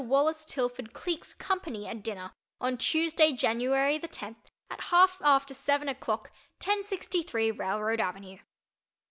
WALLACE TILFORD CLEEK'S company at dinner on Tuesday January the tenth at half after seven o'clock 1063 Railroad Avenue.